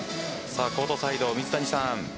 コートサイド、水谷さん。